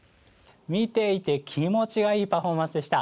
見ていて気持ちがいいパフォーマンスでした。